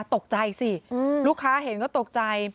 ตกใจสิลูกค้าเห็นก็ตกใจ